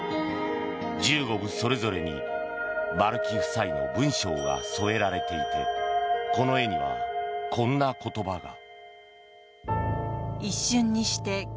１５部それぞれに丸木夫妻の文章が添えられていてこの絵には、こんな言葉が。